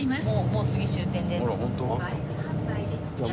もう次終点です。